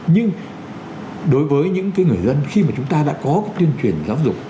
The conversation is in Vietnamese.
nhưng đối với những người dân khi mà chúng ta đã có cái tuyên truyền giáo dục